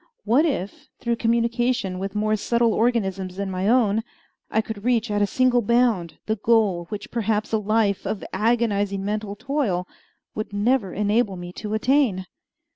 What if, through communication with more subtle organisms than my own, I could reach at a single bound the goal which perhaps a life, of agonizing mental toil would never enable me to attain?